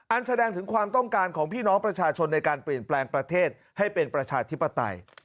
แสดงถึงความต้องการของพี่น้องประชาชนในการเปลี่ยนแปลงประเทศให้เป็นประชาธิปไตย